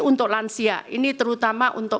untuk lansia ini terutama untuk